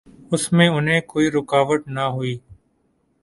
اس میں انہیں کوئی رکاوٹ نہ ہوئی۔